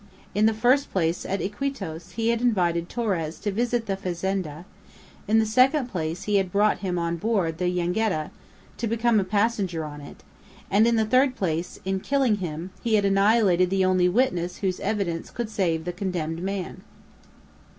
In the first place at Iquitos he had invited Torres to visit the fazenda; in the second place he had brought him on board the jangada, to become a passenger on it; and in the third place, in killing him, he had annihilated the only witness whose evidence could save the condemned man.